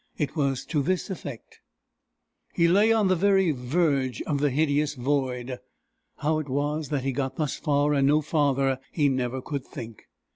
It was to this effect: He lay on the very verge of the hideous void. How it was that he got thus far and no farther, he never could think.